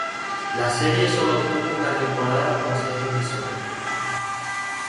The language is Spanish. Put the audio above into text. La serie sólo tuvo una temporada con seis episodios.